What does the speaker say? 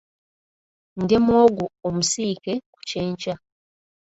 Ndya muwogo omusiike ku kyenkya.